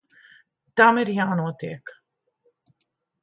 Tam ir jānotiek.